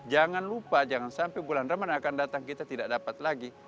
jangan lupa jangan sampai bulan ramadan akan datang kita tidak dapat lagi